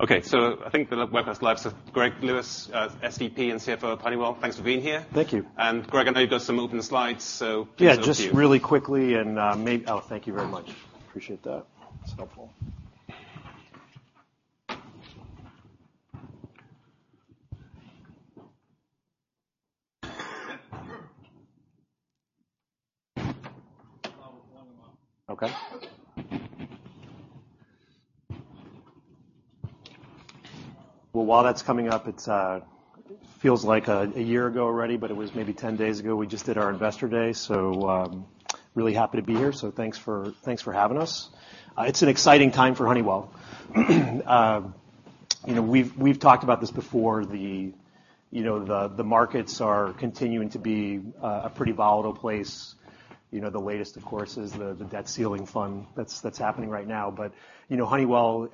I think the live webcast is live. Greg Lewis, SVP and CFO of Honeywell, thanks for being here. Thank you. Greg, I know you've got some opening slides. Yeah. Please go through. Just really quickly. Oh, thank you very much. Appreciate that. It's helpful. Okay. While that's coming up, it feels like a year ago already, but it was maybe 10 days ago, we just did our Investor Day. Really happy to be here. Thanks for having us. It's an exciting time for Honeywell. We've talked about this before, you know, the markets are continuing to be a pretty volatile place. You know, the latest, of course, is the debt ceiling fund that's happening right now. You know, Honeywell,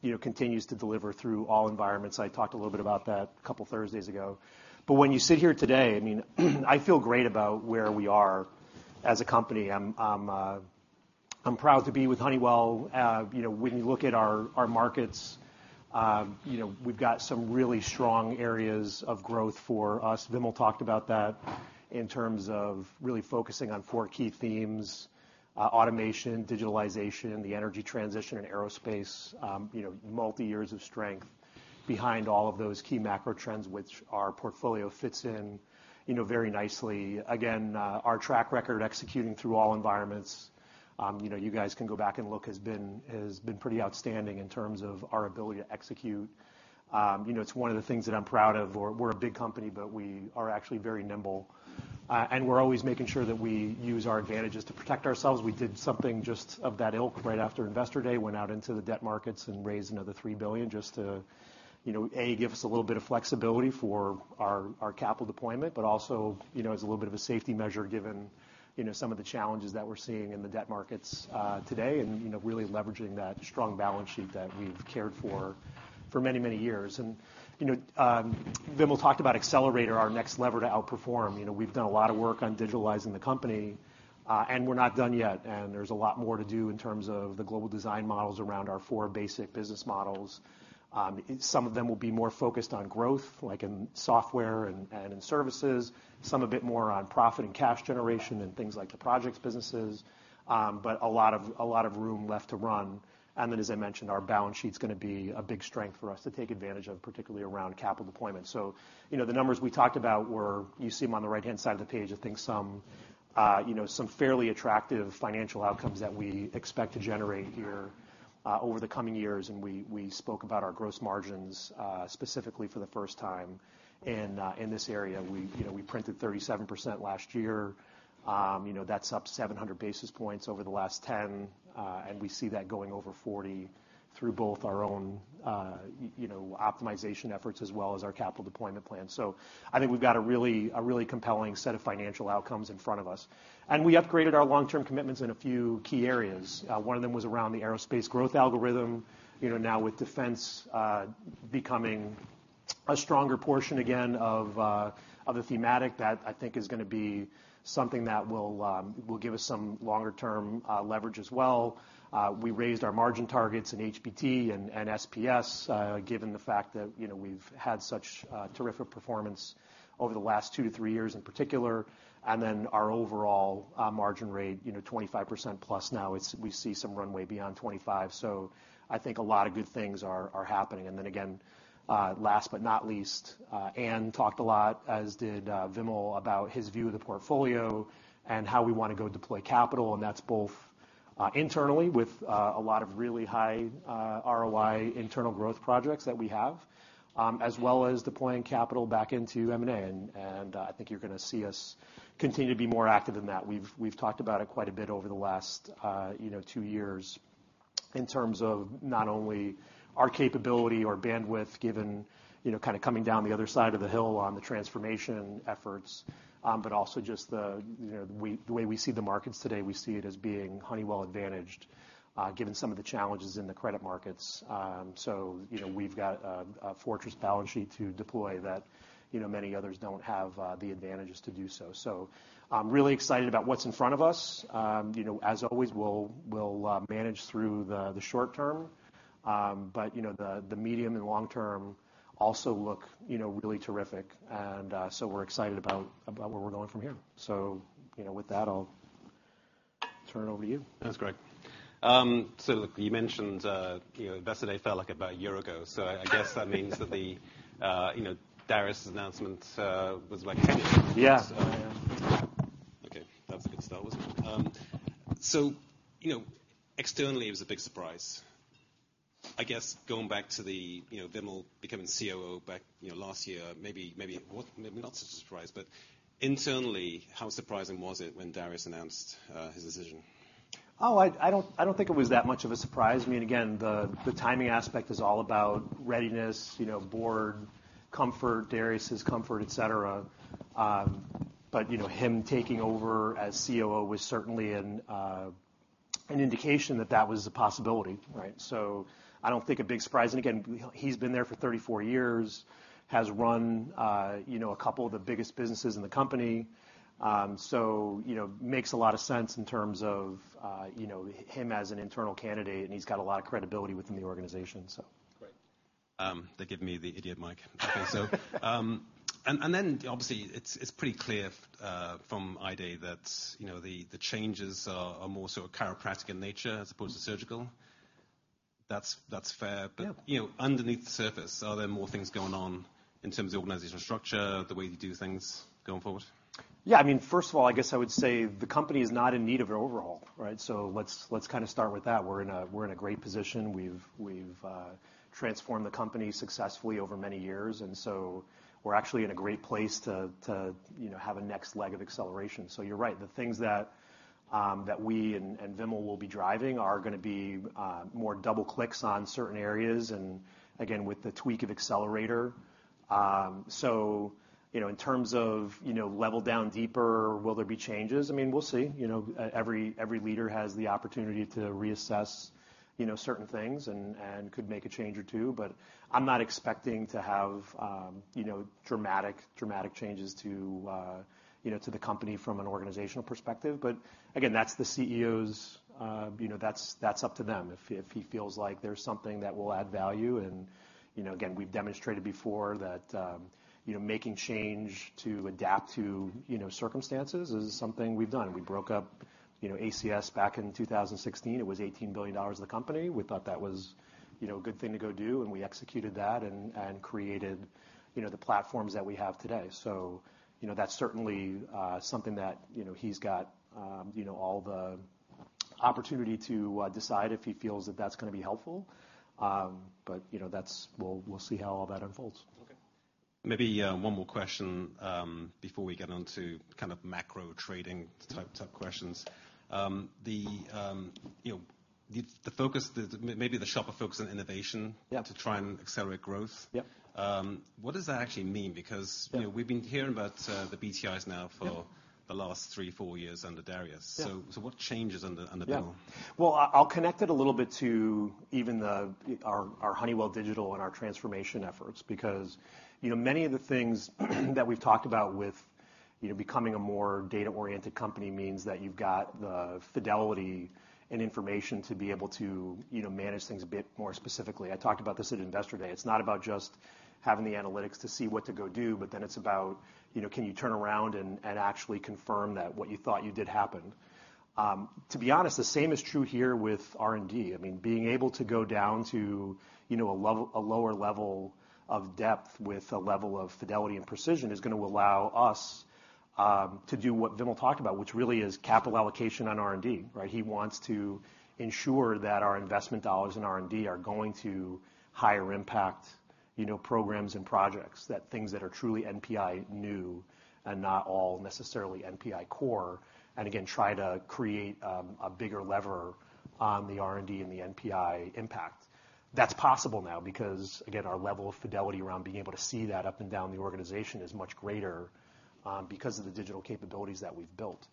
you know, continues to deliver through all environments. I talked a little bit about that a couple Thursdays ago. When you sit here today, I mean, I feel great about where we are as a company. I'm proud to be with Honeywell. You know, when you look at our markets, you know, we've got some really strong areas of growth for us. Vimal talked about that in terms of really focusing on four key themes: automation, digitalization, the energy transition, and aerospace. You know, multi years of strength behind all of those key macro trends, which our portfolio fits in, you know, very nicely. Again, our track record executing through all environments, you know, you guys can go back and look, has been pretty outstanding in terms of our ability to execute. You know, it's one of the things that I'm proud of. We're a big company, but we are actually very nimble. We're always making sure that we use our advantages to protect ourselves. We did something just of that ilk right after Investor Day, went out into the debt markets and raised another $3 billion just to, you know, A, give us a little bit of flexibility for our capital deployment, but also, you know, as a little bit of a safety measure given, you know, some of the challenges that we're seeing in the debt markets today, really leveraging that strong balance sheet that we've cared for many, many years. You know, Vimal talked about Accelerator, our next lever to outperform. You know, we've done a lot of work on digitalizing the company, we're not done yet. There's a lot more to do in terms of the global design models around our four basic business models. Some of them will be more focused on growth, like in software and in services, some a bit more on profit and cash generation and things like the projects businesses, but a lot of room left to run. Then, as I mentioned, our balance sheet's gonna be a big strength for us to take advantage of, particularly around capital deployment. You know, the numbers we talked about were, you see them on the right-hand side of the page, I think some, you know, some fairly attractive financial outcomes that we expect to generate here over the coming years. We spoke about our gross margins specifically for the first time in this area. We, you know, printed 37% last year. You know, that's up 700 basis points over the last 10, and we see that going over 40 through both our own, you know, optimization efforts as well as our capital deployment plan. I think we've got a really compelling set of financial outcomes in front of us. We upgraded our long-term commitments in a few key areas. One of them was around the aerospace growth algorithm. You know, now with defense becoming a stronger portion again of the thematic, that I think is gonna be something that will give us some longer term leverage as well. We raised our margin targets in HPT and SPS given the fact that, you know, we've had such terrific performance over the last two-three years in particular. Our overall margin rate, you know, 25% plus now is we see some runway beyond 25%. I think a lot of good things are happening. Again, last but not least, Anne talked a lot, as did Vimal, about his view of the portfolio and how we wanna go deploy capital, and that's both internally with a lot of really high ROI internal growth projects that we have, as well as deploying capital back into M&A. I think you're gonna see us continue to be more active in that. We've talked about it quite a bit over the last, you know, two years in terms of not only our capability or bandwidth given, you know, kind of coming down the other side of the hill on the transformation efforts, but also just the, you know, the way we see the markets today, we see it as being Honeywell advantaged, given some of the challenges in the credit markets. You know, we've got a fortress balance sheet to deploy that, you know, many others don't have, the advantages to do so. I'm really excited about what's in front of us. You know, as always, we'll manage through the short term. You know, the medium and long term also look, you know, really terrific. We're excited about where we're going from here. You know, with that, I'll turn it over to you. Thanks, Greg. You mentioned, you know, Investor Day felt like about a year ago. I guess that means that the, you know, Darius announcement, was like. Yeah. Okay, that's a good start, wasn't it? You know, externally, it was a big surprise. I guess going back to the, you know, Vimal becoming COO back, you know, last year, maybe what, maybe not such a surprise. Internally, how surprising was it when Darius announced his decision? I don't think it was that much of a surprise. I mean, again, the timing aspect is all about readiness, you know, board comfort, Darius's comfort, et cetera. You know, him taking over as COO was certainly an indication that that was a possibility, right? I don't think a big surprise. Again, he's been there for 34 years, has run, you know, a couple of the biggest businesses in the company. You know, makes a lot of sense in terms of, you know, him as an internal candidate, he's got a lot of credibility within the organization. Great. They give me the idiot mic. Okay, then obviously it's pretty clear from IDE that, you know, the changes are more sort of chiropractic in nature as opposed to surgical. That's, that's fair. Yeah. You know, underneath the surface, are there more things going on in terms of organizational structure, the way you do things going forward? Yeah. I mean, first of all, I guess I would say the company is not in need of an overhaul, right? Let's kinda start with that. We're in a great position. We've transformed the company successfully over many years, and so we're actually in a great place to, you know, have a next leg of acceleration. You're right, the things that we and Vimal will be driving are gonna be more double clicks on certain areas and again, with the tweak of Accelerator. You know, in terms of, you know, level down deeper, will there be changes? I mean, we'll see. You know, every leader has the opportunity to reassess, you know, certain things and could make a change or two, but I'm not expecting to have, you know, dramatic changes to, you know, to the company from an organizational perspective. Again, that's the CEO's, you know, that's up to them. If he feels like there's something that will add value and, you know, again, we've demonstrated before that, you know, making change to adapt to, you know, circumstances is something we've done. We broke up, you know, ACS back in 2016. It was $18 billion of the company. We thought that was, you know, a good thing to go do, and we executed that and created, you know, the platforms that we have today. you know, that's certainly, something that, you know, he's got, you know, all the opportunity to, decide if he feels that that's gonna be helpful. you know, that's. We'll, we'll see how all that unfolds. Okay. Maybe, one more question, before we get onto kind of macro trading type questions. You know, the focus, maybe the sharper focus on innovation. Yeah. to try and accelerate growth. Yeah. what does that actually mean? Yeah. you know, we've been hearing about, the BTIs now. Yeah. The last three, four years under Darius. Yeah. What changes under Vimal? Yeah. I'll connect it a little bit to even our Honeywell Digital and our transformation efforts. You know, many of the things that we've talked about with, you know, becoming a more data-oriented company means that you've got the fidelity and information to be able to, you know, manage things a bit more specifically. I talked about this at Investor Day. It's not about just having the analytics to see what to go do. It's about, you know, can you turn around and actually confirm that what you thought you did happened. To be honest, the same is true here with R&D. I mean, being able to go down to, you know, a lower level of depth with a level of fidelity and precision is gonna allow us to do what Vimal talked about, which really is capital allocation on R&D, right? He wants to ensure that our investment dollars in R&D are going to higher impact, you know, programs and projects that things that are truly NPI new and not all necessarily NPI core, and again, try to create a bigger lever on the R&D and the NPI impact. That's possible now because, again, our level of fidelity around being able to see that up and down the organization is much greater because of the digital capabilities that we've built.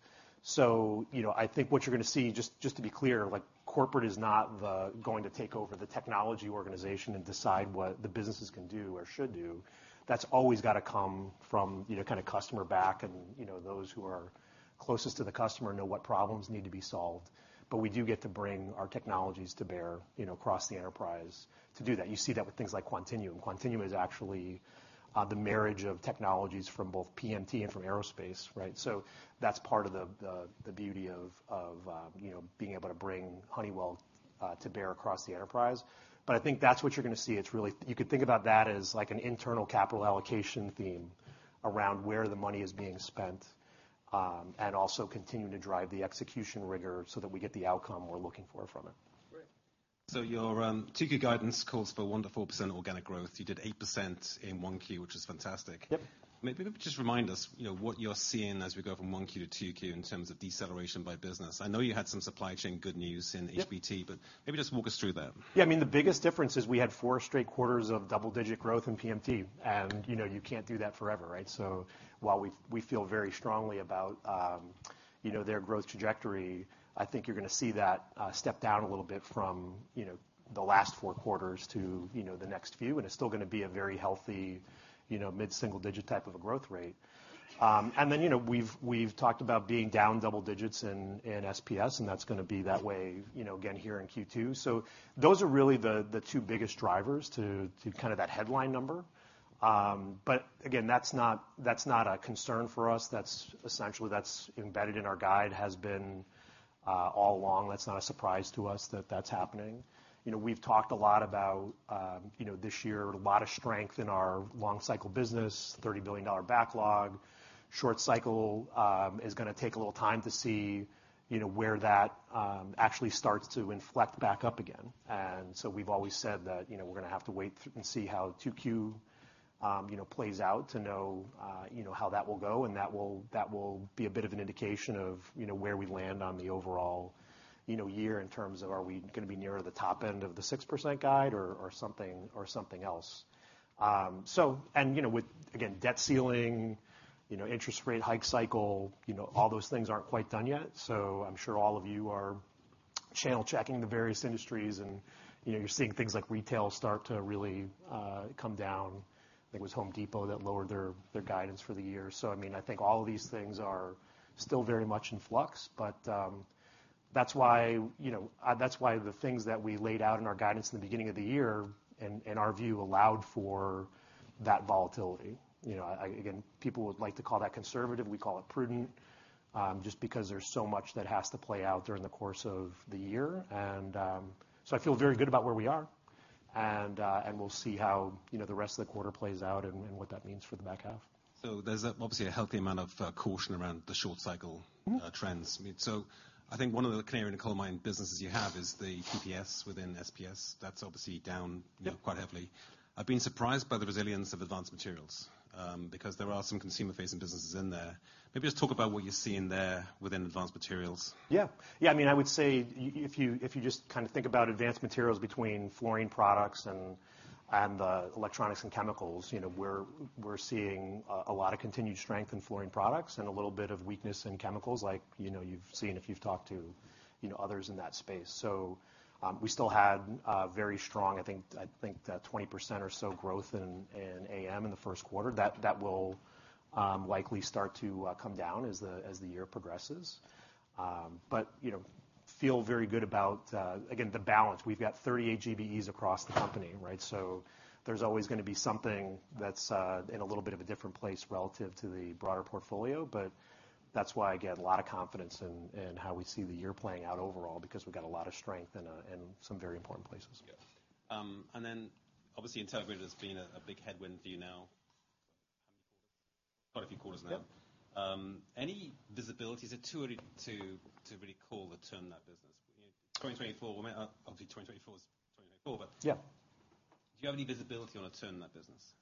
You know, I think what you're gonna see, just to be clear, like corporate is not going to take over the technology organization and decide what the businesses can do or should do. That's always gotta come from, you know, kinda customer back and, you know, those who are closest to the customer know what problems need to be solved. We do get to bring our technologies to bear, you know, across the enterprise to do that. You see that with things like Quantinuum. Quantinuum is actually the marriage of technologies from both PMT and from aerospace, right? That's part of the beauty of, you know, being able to bring Honeywell to bear across the enterprise. I think that's what you're gonna see. It's really.. You could think about that as like an internal capital allocation theme around where the money is being spent, and also continuing to drive the execution rigor so that we get the outcome we're looking for from it. Great. Your two key guidance calls for 1% to 4% organic growth. You did 8% in 1Q, which is fantastic. Yep. Maybe just remind us, you know, what you're seeing as we go from 1Q to 2Q in terms of deceleration by business. I know you had some supply chain good news in HBT... Yep. Maybe just walk us through that. I mean, the biggest difference is we had four straight quarters of double-digit growth in PMT, and you know you can't do that forever, right? While we feel very strongly about, you know, their growth trajectory, I think you're gonna see that, step down a little bit from, you know, the last four quarters to, you know, the next few, and it's still gonna be a very healthy, you know, mid-single digit type of a growth rate. You know, we've talked about being down double digits in SPS, and that's gonna be that way, you know, again, here in Q2. Those are really the two biggest drivers to kinda that headline number. Again, that's not a concern for us. That's essentially embedded in our guide, has been all along. That's not a surprise to us that that's happening. You know, we've talked a lot about, you know, this year, a lot of strength in our long cycle business, $30 billion backlog. Short cycle, is gonna take a little time to see, you know, where that actually starts to inflect back up again. We've always said that, you know, we're gonna have to wait and see how 2Q, you know, plays out to know, you know, how that will go. That will be a bit of an indication of, you know, where we land on the overall, you know, year in terms of are we gonna be nearer the top end of the 6% guide or something, or something else. you know, with, again, debt ceiling, you know, interest rate hike cycle, you know, all those things aren't quite done yet, so I'm sure all of you are channel checking the various industries and, you know, you're seeing things like retail start to really come down. I think it was Home Depot that lowered their guidance for the year. I mean, I think all of these things are still very much in flux. that's why, you know, that's why the things that we laid out in our guidance in the beginning of the year, in our view, allowed for that volatility. You know, again, people would like to call that conservative, we call it prudent, just because there's so much that has to play out during the course of the year. I feel very good about where we are. We'll see how, you know, the rest of the quarter plays out and what that means for the back half. There's obviously a healthy amount of caution around the short cycle. Mm-hmm. trends. I think one of the canary in the coal mine businesses you have is the PPS within SPS. That's obviously down- Yeah. you know, quite heavily. I've been surprised by the resilience of advanced materials, because there are some consumer facing businesses in there. Maybe just talk about what you're seeing there within advanced materials. Yeah. Yeah. I mean, I would say if you, if you just kind of think about Advanced Materials between flooring products and the electronics and chemicals, you know, we're seeing a lot of continued strength in flooring products and a little bit of weakness in chemicals like, you know, you've seen if you've talked to, you know, others in that space. I think that 20% or so growth in AM in the first quarter, that will likely start to come down as the year progresses. You know, feel very good about again, the balance. We've got 38 GBEs across the company, right? There's always gonna be something that's in a little bit of a different place relative to the broader portfolio, but that's why I get a lot of confidence in how we see the year playing out overall, because we've got a lot of strength in some very important places. Yeah. Then obviously Intelligrated has been a big headwind for you now. Quite a few quarters now. Yeah. Any visibility? Is it too early to really call or turn that business? You know, 2024 will mean, obviously 2024 is 2024. Yeah. Do you have any visibility on a turn in that business?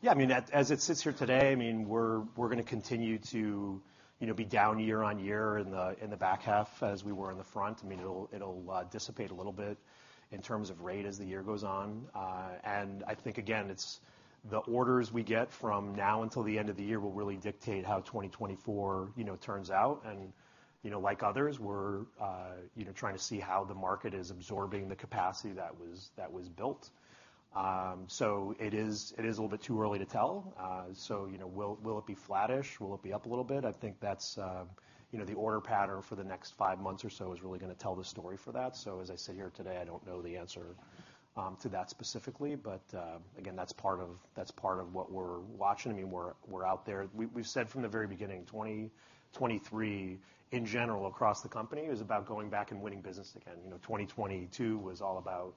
Yeah. I mean, as it sits here today, I mean, we're gonna continue to, you know, be down year-on-year in the back half as we were in the front. I mean, it'll dissipate a little bit in terms of rate as the year goes on. I think, again, it's the orders we get from now until the end of the year will really dictate how 2024, you know, turns out. You know, like others, we're, you know, trying to see how the market is absorbing the capacity that was built. It is a little bit too early to tell. You know, will it be flattish? Will it be up a little bit? I think that's, you know, the order pattern for the next five months or so is really gonna tell the story for that. As I sit here today, I don't know the answer to that specifically. Again, that's part of what we're watching. I mean, we're out there. We've said from the very beginning, 2023 in general across the company is about going back and winning business again. You know, 2022 was all about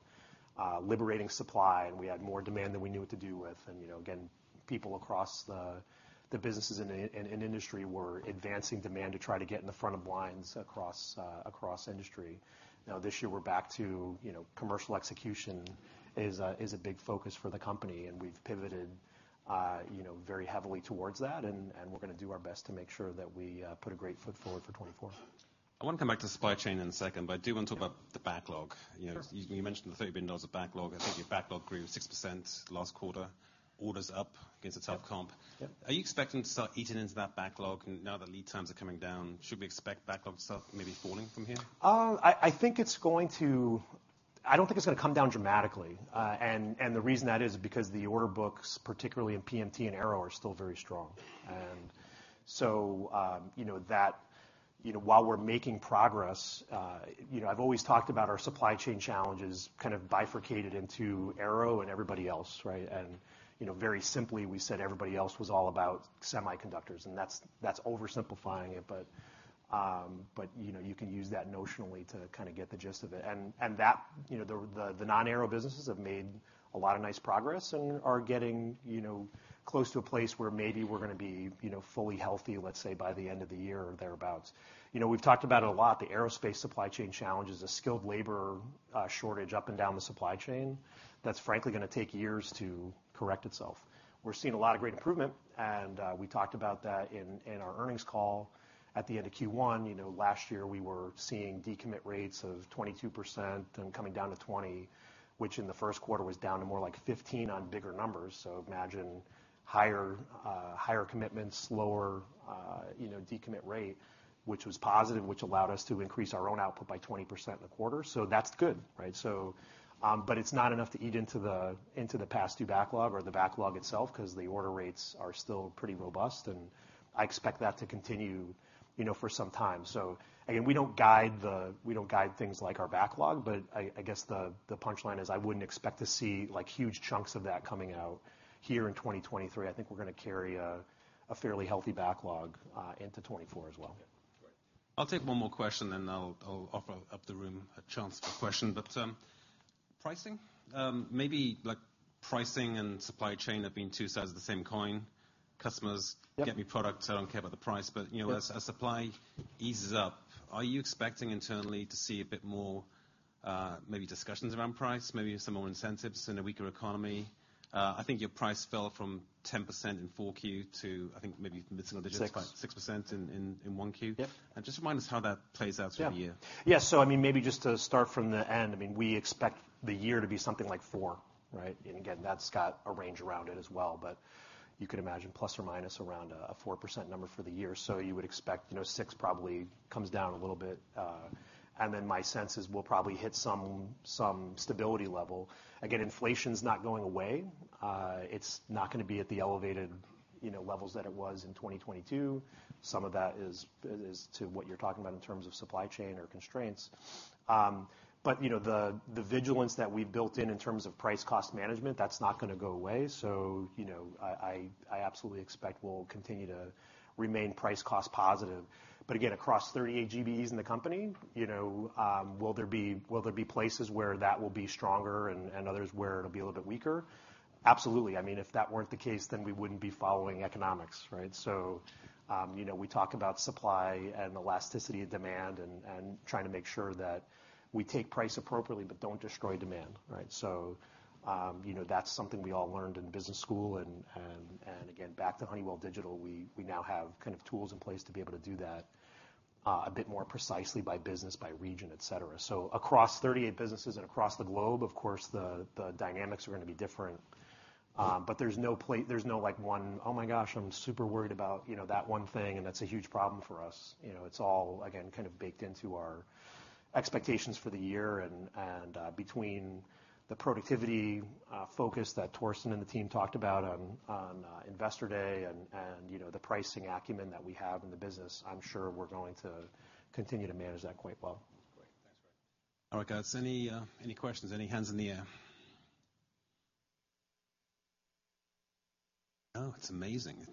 liberating supply, and we had more demand than we knew what to do with. You know, again, people across the businesses and industry were advancing demand to try to get in the front of lines across industry. You know, this year we're back to, you know, commercial execution is a big focus for the company, and we've pivoted, you know, very heavily towards that, and we're gonna do our best to make sure that we put a great foot forward for 2024. I want to come back to supply chain in a second, but I do want to talk about the backlog. You know. Sure. You mentioned the $30 billion of backlog. I think your backlog grew 6% last quarter. Orders up against the top comp. Yeah. Are you expecting to start eating into that backlog now that lead times are coming down? Should we expect backlog stuff maybe falling from here? I think its going to.. I don't think it's gonna come down dramatically. The reason that is because the order books, particularly in PMT and Aero, are still very strong. You know that, you know, while we're making progress, you know, I've always talked about our supply chain challenges kind of bifurcated into Aero and everybody else, right? You know, very simply, we said everybody else was all about semiconductors, and that's oversimplifying it. You know, you can use that notionally to kinda get the gist of it. That, you know, the non-Aero businesses have made a lot of nice progress and are getting, you know, close to a place where maybe we're gonna be, you know, fully healthy, let's say, by the end of the year or thereabout. You know, we've talked about it a lot, the aerospace supply chain challenge is a skilled labor, shortage up and down the supply chain that's frankly gonna take years to correct itself. We're seeing a lot of great improvement, and, we talked about that in our earnings call at the end of Q1. You know, last year we were seeing decommit rates of 22% and coming down to 20, which in the first quarter was down to more like 15 on bigger numbers. Imagine higher commitment, slower, you know, decommit rate, which was positive, which allowed us to increase our own output by 20% in the quarter. That's good, right? It's not enough to eat into the past due backlog or the backlog itself 'cause the order rates are still pretty robust, and I expect that to continue, you know, for some time. Again, we don't guide things like our backlog, but I guess the punch line is I wouldn't expect to see like huge chunks of that coming out here in 2023. I think we're gonna carry a fairly healthy backlog into 2024 as well. Yeah. Great. I'll take one more question then I'll offer up the room a chance to question. Pricing, maybe like pricing and supply chain have been two sides of the same coin. Yep. Get me product, I don't care about the price. You know, as supply eases up, are you expecting internally to see a bit more, maybe discussions around price, maybe some more incentives in a weaker economy? I think your price fell from 10% in 4Q to, I think maybe missing a digit. Six. 6% in one Q. Yeah. Just remind us how that plays out through the year. Yeah. I mean, maybe just to start from the end, I mean, we expect the year to be something like 4%, right? Again, that's got a range around it as well. You could imagine plus or minus around a 4% number for the year. You would expect, you know, 6% probably comes down a little bit, and then my sense is we'll probably hit some stability level. Again, inflation's not going away. It's not gonna be at the elevated, you know, levels that it was in 2022. Some of that is to what you're talking about in terms of supply chain or constraints. You know, the vigilance that we've built in terms of price cost management, that's not gonna go away. You know, I absolutely expect we'll continue to remain price cost positive. Again, across 38 GBEs in the company, you know, will there be places where that will be stronger and others where it'll be a little bit weaker? Absolutely. I mean, if that weren't the case, then we wouldn't be following economics, right? We talk about supply and elasticity of demand and trying to make sure that we take price appropriately but don't destroy demand, right? That's something we all learned in business school and, and again, back to Honeywell Digital, we now have kind of tools in place to be able to do that a bit more precisely by business, by region, et cetera. Across 38 businesses and across the globe, of course, the dynamics are gonna be different. But there's no play, there's no like one, oh my gosh, I'm super worried about, you know, that one thing, and that's a huge problem for us. You know, it's all again, kind of baked into our expectations for the year and, between the productivity focus that Torsten and the team talked about on Investor Day and, you know, the pricing acumen that we have in the business, I'm sure we're going to continue to manage that quite well. Great. Thanks. All right, guys. Any, any questions? Any hands in the air? Oh, it's amazing.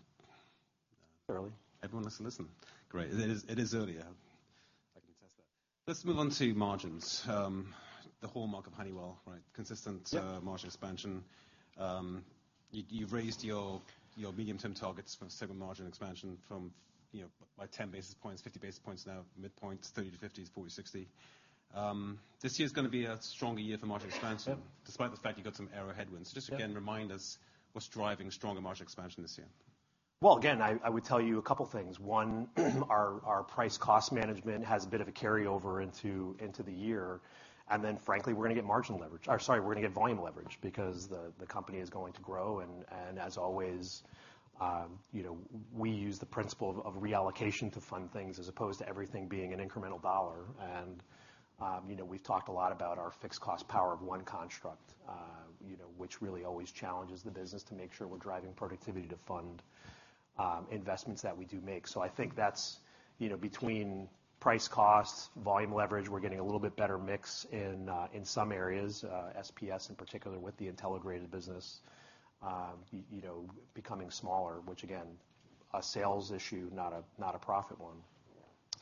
Early. Everyone wants to listen. Great. It is early. I can attest that. Let's move on to margins. The hallmark of Honeywell, right? Yep. Consistent margin expansion. You've raised your medium-term targets from segment margin expansion from, you know, by 10 basis points, 50 basis points now, midpoints 30 basis points-50 basis points, 40 basis points-60 basis points. This year's gonna be a stronger year for margin expansion. Yep. Despite the fact you've got some Aero headwinds. Yep. Just again, remind us what's driving stronger margin expansion this year? Well, again, I would tell you a couple things. One, our price cost management has a bit of a carryover into the year. Then frankly, we're gonna get margin leverage or sorry, we're gonna get volume leverage because the company is going to grow and as always, you know, we use the principle of reallocation to fund things as opposed to everything being an incremental dollar. You know, we've talked a lot about our fixed cost Power of One construct, you know, which really always challenges the business to make sure we're driving productivity to fund investments that we do make. I think that's, you know, between price costs, volume leverage, we're getting a little bit better mix in some areas, SPS in particular with the Intelligrated business, you know, becoming smaller, which again, a sales issue, not a profit one.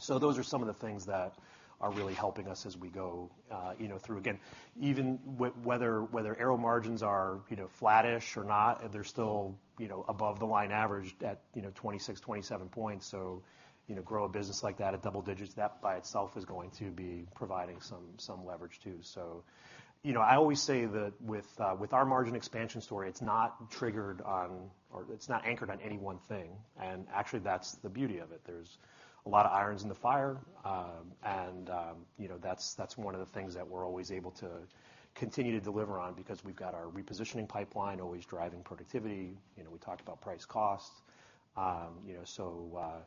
Those are some of the things that are really helping us as we go, you know, through. Again, even whether Aerospace margins are, you know, flattish or not, they're still, you know, above the line average at, you know, 26, 27 points. Grow a business like that at double digits, that by itself is going to be providing some leverage too. I always say that with our margin expansion story, it's not triggered on or it's not anchored on any one thing, and actually that's the beauty of it. There's a lot of irons in the fire, you know, that's one of the things that we're always able to continue to deliver on because we've got our repositioning pipeline always driving productivity. You know, we talked about price costs. You know,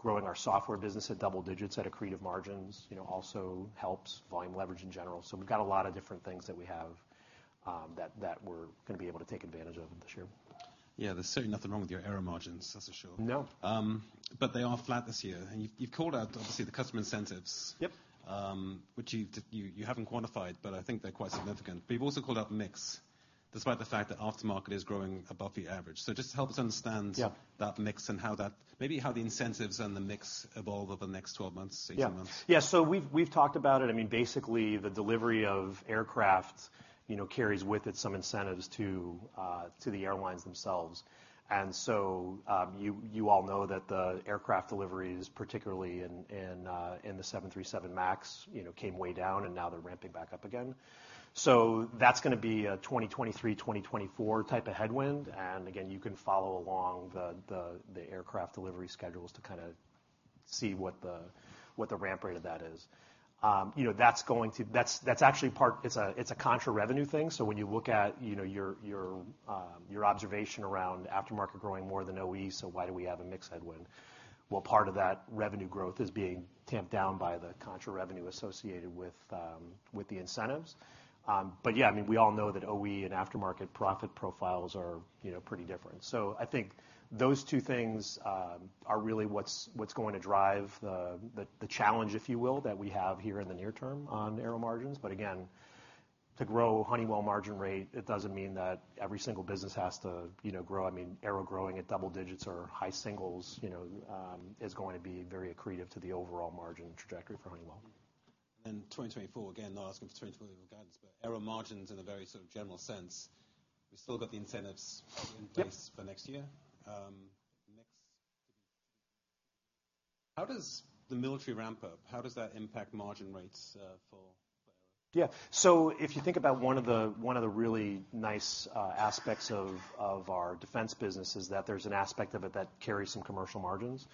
growing our software business at double digits, at accretive margins, you know, also helps volume leverage in general. We've got a lot of different things that we have, that we're gonna be able to take advantage of this year. Yeah. There's certainly nothing wrong with your Aero margins, that's for sure. No. They are flat this year. You've called out obviously the customer incentives. Yep. which you've, you haven't quantified, but I think they're quite significant. You've also called out mix despite the fact that aftermarket is growing above the average. Just to help us understand. Yeah. that mix and how that, maybe how the incentives and the mix evolve over the next 12 months, 18 months. Yeah. Yeah. We've talked about it. I mean, basically the delivery of aircraft, you know, carries with it some incentives to the airlines themselves. You all know that the aircraft deliveries, particularly in the 737 MAX, you know, came way down and now they're ramping back up again. That's gonna be a 2023, 2024 type of headwind. Again, you can follow along the aircraft delivery schedules to kind of see what the ramp rate of that is. You know, that's going to, that's actually part, it's a contra revenue thing. When you look at, you know, your observation around aftermarket growing more than OE, why do we have a mix headwind? Well, part of that revenue growth is being tamped down by the contra revenue associated with the incentives. Yeah, I mean, we all know that OE and aftermarket profit profiles are, you know, pretty different. I think those two things are really what's going to drive the, the challenge, if you will, that we have here in the near term on Aero margins. Again, to grow Honeywell margin rate, it doesn't mean that every single business has to, you know, grow. I mean, Aero growing at double digits or high singles, you know, is going to be very accretive to the overall margin trajectory for Honeywell. 2024, again, not asking for 2024 guidance, but Aero margins in a very sort of general sense, we've still got the incentives probably in place. Yep. -for next year. next, how does the military ramp up, how does that impact margin rates, for Yeah. If you think about one of the, one of the really nice aspects of our defense business is that there's an aspect of it that carries some commercial margins.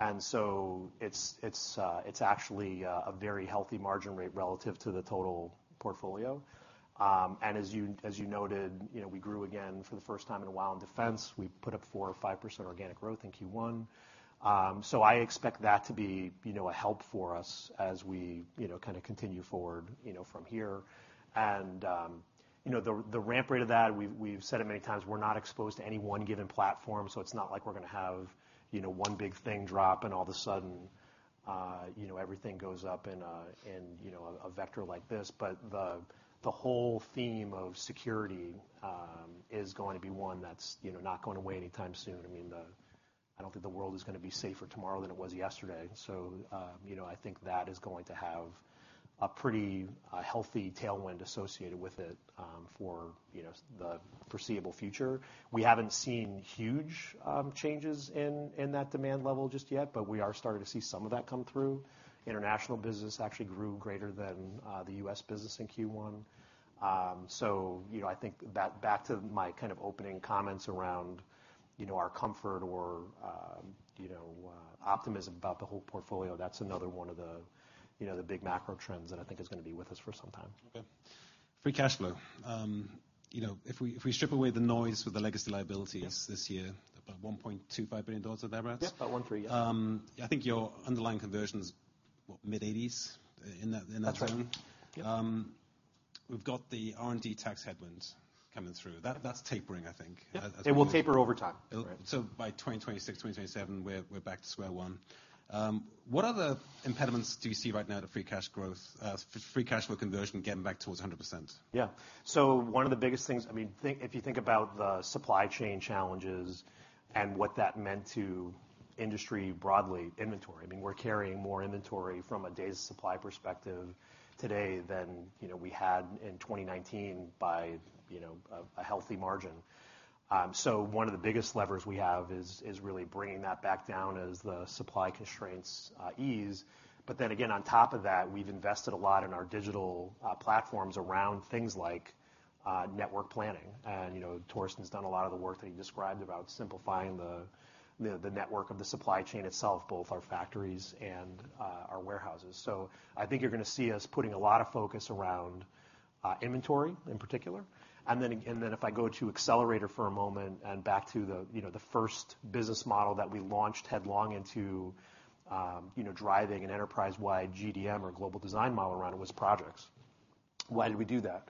It's, it's actually a very healthy margin rate relative to the total portfolio. As you noted, you know, we grew again for the first time in a while in defense. We put up 4% or 5% organic growth in Q1. I expect that to be, you know, a help for us as we, you know, kind of continue forward, you know, from here. You know, the ramp rate of that, we've said it many times, we're not exposed to any one given platform, so it's not like we're gonna have, you know, one big thing drop and all of a sudden, you know, everything goes up in, you know, a vector like this. The, the whole theme of security is going to be one that's, you know, not going away anytime soon. I mean the, I don't think the world is gonna be safer tomorrow than it was yesterday. You know, I think that is going to have a pretty, a healthy tailwind associated with it, for, you know, the foreseeable future. We haven't seen huge changes in that demand level just yet, but we are starting to see some of that come through. International business actually grew greater than the U.S. business in Q1. You know, I think that back to my kind of opening comments around, you know, our comfort or, you know, optimism about the whole portfolio, that's another one of the, you know, the big macro trends that I think is gonna be with us for some time. Okay. Free cash flow. You know, if we strip away the noise with the legacy liabilities. Yes. this year, about $1.25 billion of that, right? Yeah. About 13, yeah. I think your underlying conversion is, what? mid-80s in that, in that zone. That's right. Yeah. We've got the R&D tax headwind coming through. That's tapering, I think. Yeah. It will taper over time. By 2026, 2027, we're back to square one. What other impediments do you see right now to free cash flow conversion getting back towards 100%? Yeah. One of the biggest things, I mean, think, if you think about the supply chain challenges and what that meant to industry broadly, inventory. I mean, we're carrying more inventory from a days of supply perspective today than, you know, we had in 2019 by, you know, a healthy margin. One of the biggest levers we have is really bringing that back down as the supply constraints ease. Again, on top of that, we've invested a lot in our digital platforms around things like network planning. You know, Torsten's done a lot of the work that he described about simplifying the network of the supply chain itself, both our factories and our warehouses. I think you're gonna see us putting a lot of focus around inventory in particular. If I go to Accelerator for a moment and back to the, you know, the first business model that we launched headlong into, driving an enterprise-wide GDM or global design model around it was projects. Why did we do that?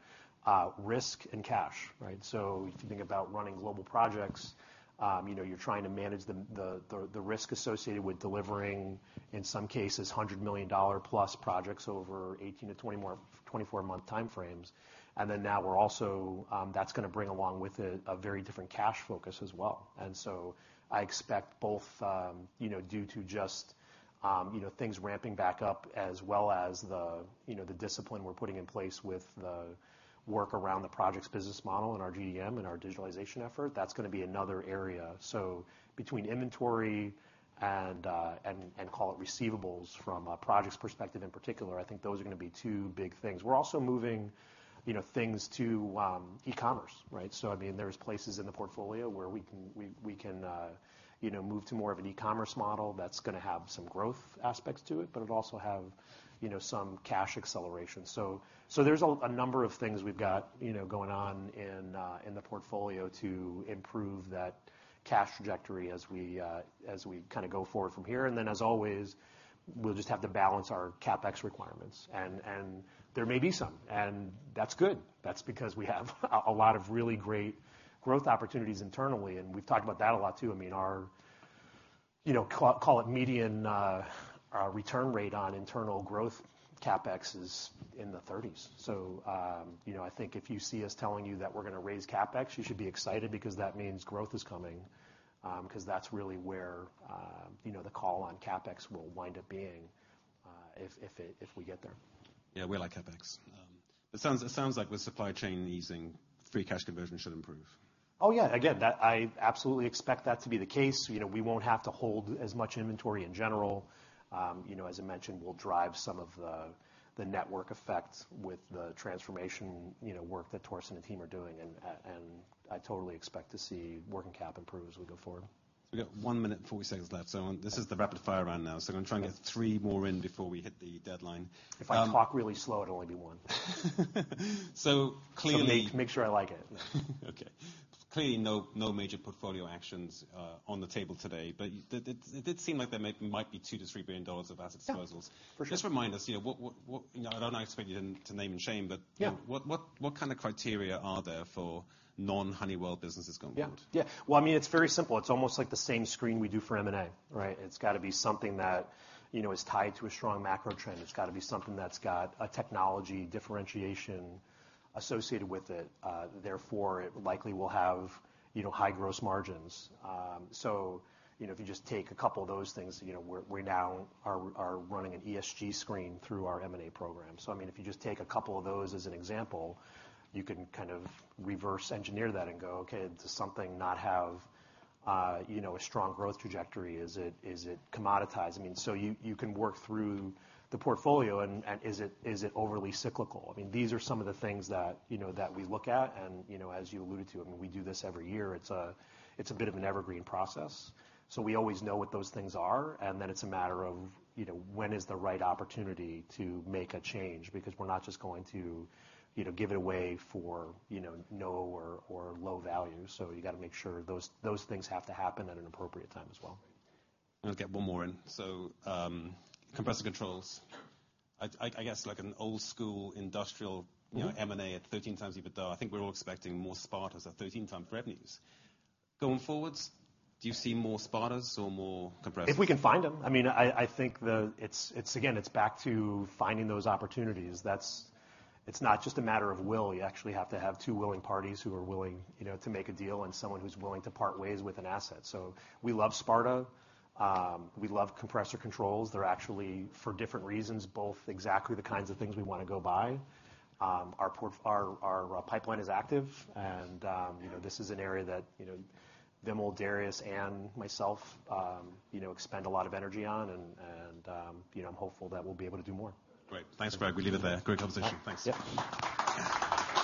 Risk and cash, right? If you think about running global projects, you're trying to manage the risk associated with delivering, in some cases, $100 million plus projects over 18 to 24 month time frames. Now we're also, that's gonna bring along with it a very different cash focus as well. I expect both, you know, due to just, you know, things ramping back up as well as the, you know, the discipline we're putting in place with the work around the projects business model and our GDM and our digitalization effort, that's gonna be another area. Between inventory and call it receivables from a projects perspective in particular, I think those are gonna be two big things. We're also moving, you know, things to e-commerce, right? I mean, there's places in the portfolio where we can move to more of an e-commerce model that's gonna have some growth aspects to it, but it'll also have, you know, some cash acceleration. There's a number of things we've got, you know, going on in the portfolio to improve that cash trajectory as we kind of go forward from here. As always, we'll just have to balance our CapEx requirements, and there may be some. That's good. That's because we have a lot of really great growth opportunities internally, and we've talked about that a lot too. I mean, our, you know, call it median return rate on internal growth CapEx is in the 30s. You know, I think if you see us telling you that we're gonna raise CapEx, you should be excited because that means growth is coming. Because that's really where, you know, the call on CapEx will wind up being if we get there. Yeah, we like CapEx. It sounds like with supply chain easing, free cash conversion should improve. Oh, yeah. Again, that, I absolutely expect that to be the case. You know, we won't have to hold as much inventory in general. You know, as I mentioned, we'll drive some of the network effect with the transformation, you know, work that Torsten and team are doing. I totally expect to see working cap improve as we go forward. We've got one minute and 40 seconds left. This is the rapid fire round now, I'm gonna try and get three more in before we hit the deadline. If I talk really slow, it'll only be one. So clearly- Make sure I like it. Okay. Clearly, no major portfolio actions, on the table today, but it did seem like there might be $2 billion-$3 billion of asset disposals. Yeah. For sure. Just remind us, you know, what, you know, I don't expect you to name and shame. Yeah. What kind of criteria are there for non-Honeywell businesses going forward? Yeah. Yeah. Well, I mean, it's very simple. It's almost like the same screen we do for M&A, right? It's gotta be something that, you know, is tied to a strong macro trend. It's gotta be something that's got a technology differentiation associated with it. Therefore, it likely will have, you know, high gross margins. You know, if you just take a couple of those things, you know, we now are running an ESG screen through our M&A program. I mean, if you just take a couple of those as an example, you can kind of reverse engineer that and go, "Okay. Does something not have, you know, a strong growth trajectory? Is it commoditized?" I mean, you can work through the portfolio and is it overly cyclical? I mean, these are some of the things that, you know, that we look at and, you know, as you alluded to, I mean, we do this every year. It's a bit of an evergreen process. We always know what those things are, It's a matter of, you know, when is the right opportunity to make a change, because we're not just gonna, you know, give it away for, you know, no or low value. You gotta make sure those things have to happen at an appropriate time as well. Let's get one more in. Compressor Controls, I guess like an old school. Mm-hmm. You know, M&A at 13 times EBITDA, I think we're all expecting more Spartas at 13 times revenues. Going forwards, do you see more Spartas or more Compressors? If we can find them. I mean, I think the... It's again, it's back to finding those opportunities. That's, it's not just a matter of will. You actually have to have two willing parties who are willing, you know, to make a deal and someone who's willing to part ways with an asset. We love Sparta. We love Compressor Controls. They're actually, for different reasons, both exactly the kinds of things we wanna go buy. Our pipeline is active and, you know, this is an area that, you know, Vimal, Darius, and myself, you know, expend a lot of energy on and, you know, I'm hopeful that we'll be able to do more. Great. Thanks, Greg. We leave it there. Great conversation. All right. Thanks. Yeah.